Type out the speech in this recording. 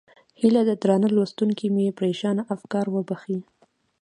هیله ده درانه لوستونکي مې پرېشانه افکار وبښي.